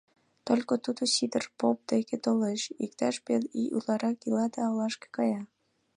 Только тудо Сидыр поп деке толеш, иктаж пел ий утларак ила да олашке кая.